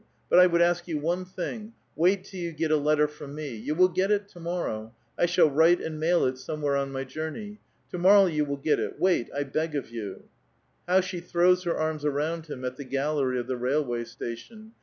But I would ask you one thing : wait till you get a letter from me. You will get it to morrow ; I shall write and mail it somewhere on ray journe}'. To morrow 30U will get it ; wait, I beg of you." How she throws her arms around him at the gallery of the railway station